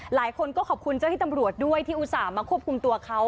หลายคนก็ขอบคุณเจ้าที่ตำรวจด้วยที่อุตส่าห์มาควบคุมตัวเขา